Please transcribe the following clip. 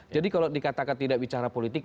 jadi kalau dikatakan tidak bicara politik